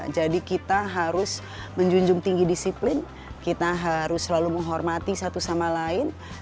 jadi kita harus menjunjung tinggi disiplin kita harus selalu menghormati satu sama lain